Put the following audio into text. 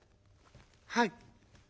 「はい。